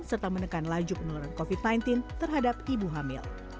serta menekan laju penularan covid sembilan belas terhadap ibu hamil